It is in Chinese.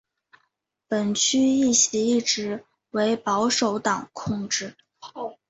本区议席一直为保守党控制。